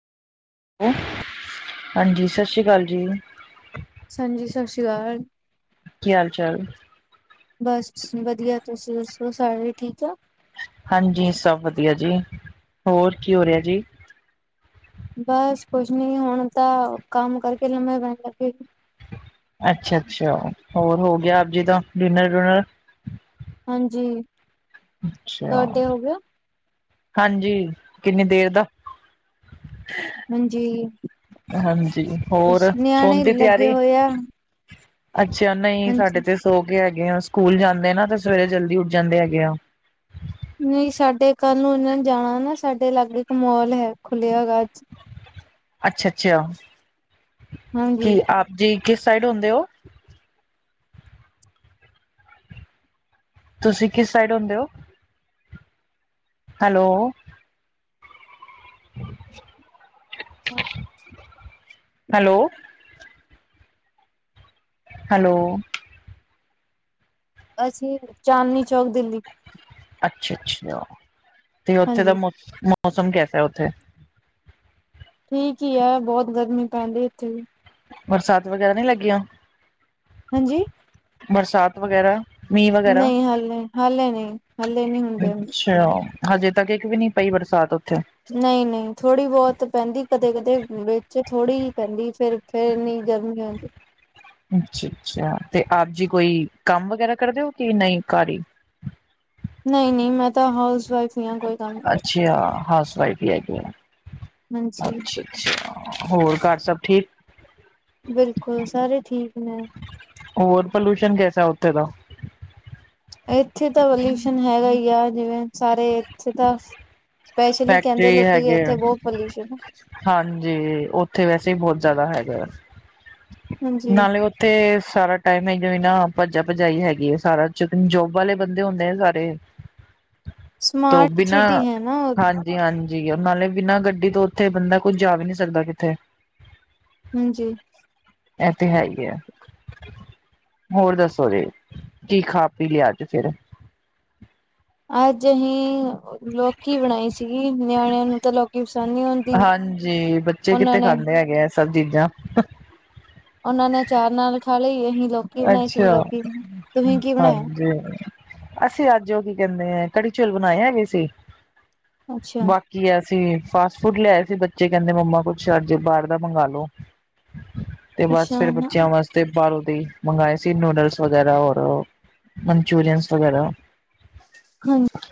ਹੈ ਹਾਂਜੀ, ਸਤਿ ਸ਼੍ਰੀ ਅਕਾਲ ਜੀ। ਹਾਂਜੀ ਸਤਿ ਸ਼੍ਰੀ ਅਕਾਲ। ਕੀ ਹਾਲ ਚਾਲ। ਬਸ ਵਧੀਆ ਤੁਸੀਂ ਦੱਸੋ ਸਾਰੇ ਠੀਕ ਆ। ਹਾਂਜੀ, ਸਭ ਵਧੀਆ ਜੀ, ਹੋਰ ਕੀ ਹੋ ਰਿਹਾ ਜੀ? ਬਸ ਕੁਛ ਨੀ ਹੁਣ ਤਾਂ ਕੰਮ ਕਰਕੇ ਲੰਮੇ ਪੈਣ ਲੱਗੇ। ਅੱਛਾ ਅੱਛਾ ਹੋਰ ਹੋ ਗਿਆ ਆਪ ਜੀ ਦਾ ਡਿਨਰ ਡੁਨਰ। ਹਾਂਜੀ ਅੱਛਾ ਤੁਹਾਡੇ ਹੋ ਗਏ ਹਾਂਜੀ ਕਿੰਨੀ ਦੇਰ ਦਾ ਹਾਂਜੀ ਹਾਂਜੀ ਹੋਰ ਬਸ ਸੋਣ ਨਿਆਣੇ ਦੀ ਲੱਗੇ ਤਿਆਰੀ। ਹੋਏ ਆ ਅੱਛਾ ਨਹੀਂ ਸਾਡੇ ਹਾਂਜੀ ਤੇ ਸੋ ਕੇ ਹੈਗੇ ਆ ਸਕੂਲ ਜਾਂਦੇ ਨਾ ਤੇ ਸਵੇਰੇ ਜਲਦੀ ਉੱਠ ਜਾਂਦੇ ਹੈਗੇ ਆ। ਨਹੀਂ ਸਾਡੇ ਕੱਲ ਨੂੰ ਇਹਨਾਂ ਨੇ ਜਾਣਾ ਨਾ ਸਾਡੇ ਲਾਗੇ ਇੱਕ ਮੋਲ ਹੈ ਖੁੱਲਿਆ ਗਾ ਅੱਜ ਅੱਛਾ, ਅੱਛਾ ਹਾਂਜੀ ਕੀ ਆਪ ਜੀ ਕਿਸ ਸਾਈਡ ਹੁੰਦੇ ਹੋ? ਤੁਸੀਂ ਕਿਸ ਸਾਈਡ ਹੁੰਦੇ ਹੋ ਹੈਲੋ। ਹਮ ਹਾਂ ਹੈਲੋ ਹੈਲੋ ਅਸੀਂ ਚਾਂਦਨੀ ਚੌਕ ਦਿੱਲੀ ਅੱਛਾ, ਅੱਛਾ ਤੇ ਉੱਥੇ ਦਾ ਹਾਂਜੀ ਮੌਸਮ ਕੈਸਾ ਉੱਥੇ ਠੀਕ ਹੀ ਹੈ ਬਹੁਤ ਗਰਮੀ ਪੈਂਦੀ ਇੱਥੇ ਵੀ ਬਰਸਾਤ ਵਗੈਰਾ ਨਹੀਂ ਲੱਗੀਆਂ? ਹਾਂਜੀ ਬਰਸਾਤ ਵਗੈਰਾ ਮੀਂਹ ਵਗੈਰਾ ਨਹੀਂ ਹਾਲੇ ਹਾਲੇ ਨਹੀਂ ਹਾਲੇ ਨਹੀਂ ਹੁੰਦੇ ਉਹ ਤੇ ਉਹ ਹਜੇ ਤੱਕ ਇੱਕ ਵੀ ਨੀ ਪਈ ਬਰਸਾਤ ਉੱਥੇ ਨਹੀਂ ਨਹੀਂ ਥੋੜ੍ਹੀ ਬਹੁਤ ਪੈਂਦੀ ਕਦੇ ਕਦੇ ਵਿੱਚ ਥੋੜ੍ਹੀ ਹੀ ਪੈਂਦੀ ਫਿਰ ਫਿਰ ਇੰਨੀ ਗਰਮੀ ਹੁੰਦੀ। ਅੱਛਾ ਅੱਛਾ ਤੇ ਆਪ ਜੀ ਕੋਈ ਕੰਮ ਵਗੈਰਾ ਕਰਦੇ ਹੋ ਕਿ ਨਹੀਂ ਘਰ ਹੀ ਨਹੀਂ ਨਹੀਂ ਮੈਂ ਤਾਂ ਹਾਊਸ ਵਾਈਫ ਹੀ ਹਾਂ ਕੋਈ ਕੰਮ ਕਰ ਅੱਛਾ ਹਾਊਸ ਵਾਈਫ ਹੀ ਹੈਗੀ ਆ ਹਾਂਜੀ ਅੱਛਾ ਅੱਛਾ ਹੋਰ ਘਰ ਸਭ ਠੀਕ? ਬਿਲਕੁਲ ਸਾਰੇ ਠੀਕ ਨੇ। ਹੋਰ ਪੋਲਊਸ਼ਨ ਕੈਸਾ ਉਥੇ ਦਾ ਇੱਥੇ ਤਾਂ ਪੋਲਿਊਸ਼ਨ ਹੈਗਾ ਈ ਆ ਜਿਵੇਂ ਸਾਰੇ ਇੱਥੇ ਤਾਂ ਸਪੈਸ਼ਲੀ ਕਹਿੰਦੇ ਫੈਕਟਰੀ ਲੋਕੀ ਹੈਗੇ ਇੱਥੇ ਆ ਬਹੁਤ ਪੋਲਿਊਸ਼ਨ ਆ ਹਾਂਜੀ ਉੱਥੇ ਵੈਸੇ ਹੀ ਬਹੁਤ ਜ਼ਿਆਦਾ ਹੈਗਾ ਆ ਹਾਂਜੀ ਨਾਲੇੇ ਉਥੇ ਤੇ ਸਾਰਾ ਟਾਈਮਮਿੰਗ ਵੀ ਨਾ ਭੱਜਾ ਭਜਾਈ ਹੈਗੀ ਹੈ ਸਾਰਾ ਜੋਬ ਵਾਲੇ ਬੰਦੇ ਹੁੰਦੇ ਨੇ ਸਾਰੇ ਤੋ ਸਮਾਰਟ ਬੀ ਨਾ, ਸਿਟੀ ਹੈ ਨਾ ਹਾਂਜੀ। ਜੀ ਹਾਂਜੀ ਨਾਲੇ ਬਿਨਾਂ ਗੱਡੀ ਤੋਂ ਉੱਥੇ ਬੰਦਾ ਕੁੱਝ ਜਾ ਵੀ ਨੀ ਸਕਦਾ ਕਿੱਥੇ ਹਾਂਜੀ। ਐ ਤੇ ਹੇ ਈ ਐ। ਹੋਰ ਦੱਸੋ ਜੀ ਕੀ ਖਾ ਪੀ ਲੇਯਾ ਆਂਜ ਫੇਰ? ਅੱਜ ਅਸੀਂ ਲੋਕੀ ਬਣਾਈ ਸੀਗੀ ਨਿਆਣਿਆਂ ਨੂੰ ਤਾਂ ਲੋਕ ਹਾਂਜੀ ਬੱਚੇ ਉਹਨਾਂ ਕਿੱਥੇ ਨੇ ਖਾਂਦੇ ਹੈਗੇ ਆ ਸਭ ਚੀਜ਼ਾਂ। ਉਹਨਾਂ ਨੇ ਚਾਰ ਨਾਲ ਖਾ ਲਈ ਅਸੀਂ ਲੋਕ ਅੱਛਾ, ਬਣਾਇਆ? ਹਾਂਜੀ। ਅਸੀਂ ਅੱਜ ਉਹ ਕੀ ਕਹਿੰਦੇ ਆ ਕੜੀ ਚੋਲ ਬਣਾਏ ਹੈਗੇ ਸੀ ਅੱਛਾ, ਬਾਕੀ ਕੀ ਅਸੀਂ ਫਾਸਟ ਫੂਡ ਲਿਆਏ ਸੀ ਬੱਚੇ ਕਹਿੰਦੇ ਮੰਮਾ ਕੁੱਛ ਅੱਜੇ ਬਾਹਰ ਦਾ ਮੰਗਾਲੋ। [inaudible] ਤੇ ਬਸ ਫੇਰ ਬੱਚਿਆਂ ਵਾਸਤੇ ਬਾਹਰੋਂ ਦੀ ਮੰਗਾਏ ਸੀ ਨੂਡਲਸ ਵਗੈਰਾ ਹੋਰ, ਮਨਚੂਰੀਅਨਸ ਵਗੈਰਾ। ਹਾਂਜੀ।